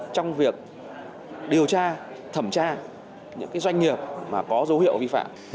trong việc điều tra thẩm tra những doanh nghiệp có dấu hiệu vi phạm